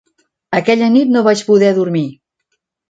Aquella nit no vaig poder dormir.